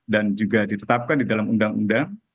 dan juga ditetapkan di dalam undang undang